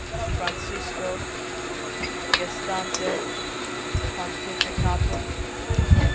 FRANCISCO . GESTANTE . PONTIFICATUM